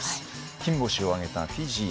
金星を挙げたフィジー。